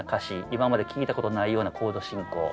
今まで聴いたことのないようなコード進行。